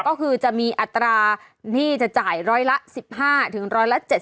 ก็คือจะมีอัตราที่จะจ่ายร้อยละ๑๕ถึง๑๗๐